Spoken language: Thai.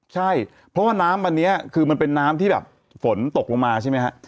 ใช่เพราะว่าน้ำอันนี้คือมันเป็นน้ำที่แบบฝนตกลงมาใช่ไหมฮะ